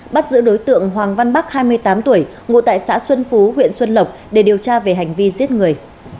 bắt giữ đối tượng hoàng văn bắc hai mươi tám tuổi ngụ tại xã xuân phú huyện xuân lộc để điều tra về hành vi giết người